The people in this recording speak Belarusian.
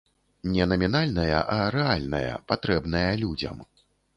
Не намінальная, а рэальная, патрэбная людзям.